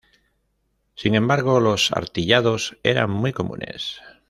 Sin embargo, los artillados eran muy comunes.